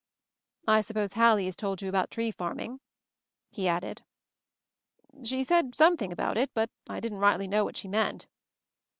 "I suppose Hallie has told you about tree farming?" he added. "She said something about it — but I didn't rightly know what she meant."